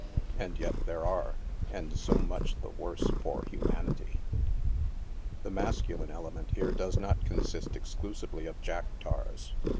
And yet there are — and so much the worse for humanity. The masculine element here does no* consist exclusively of Jack Tars.